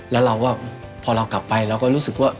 แล้วเราก็พอเรากลับไปเราก็รู้สึกว่า